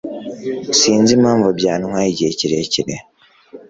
Sinzi impamvu byantwaye igihe kirekire